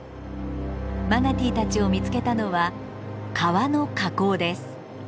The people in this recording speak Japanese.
マナティーたちを見つけたのは川の河口です。